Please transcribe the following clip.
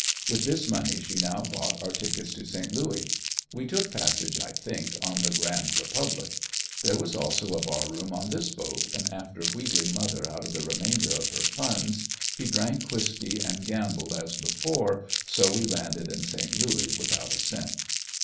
With this money she now bought our tickets to Saint Louis. We took passage, I think, on the "Grand Republic." There was also a bar room on this boat, and after wheedling mother out of the remainder of her funds, he drank whisky and gambled as before, so we landed in Saint Louis without a cent.